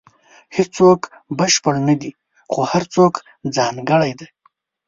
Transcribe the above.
• هیڅوک بشپړ نه دی، خو هر څوک ځانګړی دی.